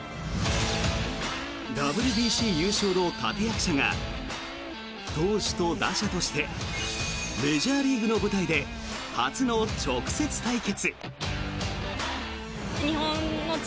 ＷＢＣ優勝の立役者が投手と打者としてメジャーリーグの舞台で初の直接対決。